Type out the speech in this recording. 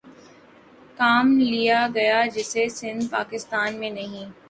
کام لیا گیا جیسے سندھ پاکستان میں نہیں